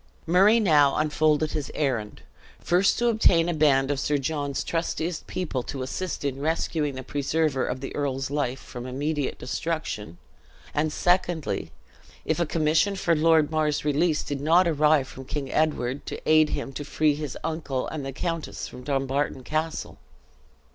Murray now unfolded his errand first to obtain a band of Sir John's trustiest people to assist in rescuing the preserver of the earl's life from immediate destruction; and secondly, if a commission for Lord Mar's release did not arrive from King Edward, to aid him to free his uncle and the countess from Dumbarton Castle.